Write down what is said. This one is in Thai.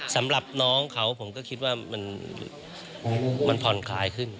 สำหรับน้องเขาผมก็คิดว่ามันผ่อนคลายขึ้น